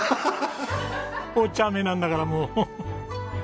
おちゃめなんだからもう。